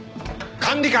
管理官！